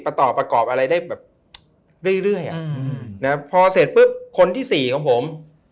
ประต่อประกอบอะไรได้แบบเรื่อยนะพอเสร็จคนที่๔ของผม